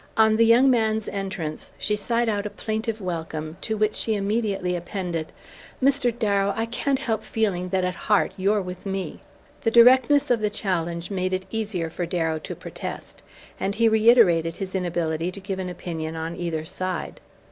On the young man's entrance she sighed out a plaintive welcome, to which she immediately appended: "Mr. Darrow, I can't help feeling that at heart you're with me!" The directness of the challenge made it easier for Darrow to protest, and he reiterated his inability to give an opinion on either side.